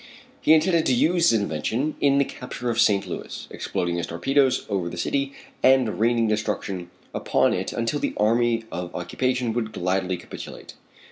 He intended to use this invention in the capture of St. Louis, exploding his torpedoes over the city, and raining destruction upon it until the army of occupation would gladly capitulate.